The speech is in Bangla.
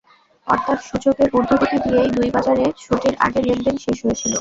অর্থাৎ সূচকের ঊর্ধ্বগতি দিয়েই দুই বাজারে ছুটির আগের লেনদেন শেষ হয়েছিল।